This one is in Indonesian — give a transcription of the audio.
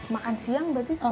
makan siang berarti